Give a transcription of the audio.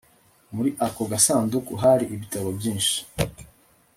Muri ako gasanduku hari ibitabo byinshi